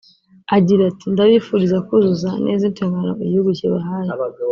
Agira ati “Ndabifuriza kuzuzuza neza inshingano igihugu kibahaye